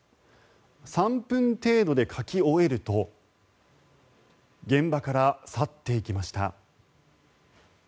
３分程度で書き終えると現場から去っていきました。